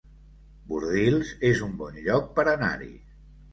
Bordils es un bon lloc per anar-hi